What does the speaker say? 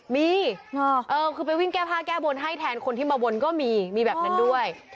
มีคือไปวิ่งแก้ผ้าแก้บนให้แทนคนที่มาวนก็มีมีแบบนั้นด้วย